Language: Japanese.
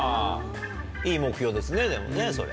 いい目標ですねでもねそれ。